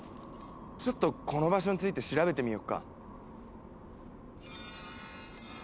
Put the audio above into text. ちょっとこの場所について調べてみようか。